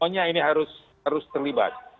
pokoknya ini harus terlibat